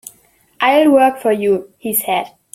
"I'll work for you," he said.